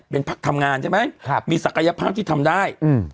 เป็นพักทำงานใช่ไหมครับมีศักยภาพที่ทำได้อืม